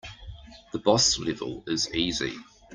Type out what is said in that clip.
The boss level is easy.